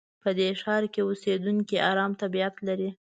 په دې ښار کې اوسېدونکي ارام طبیعت لري.